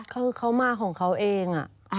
คือเขามาของเขาเอง